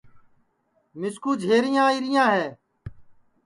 مِسکُو جھریاں آئیریاں ہے